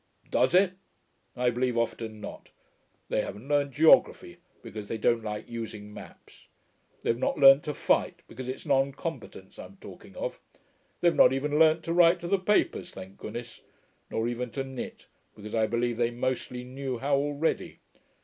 Does it? I believe often not. They haven't learnt geography, because they don't like using maps. They've not learnt to fight, because it's non combatants I'm talking of. They've not even learnt to write to the papers thank goodness. Nor even to knit, because I believe they mostly knew how already.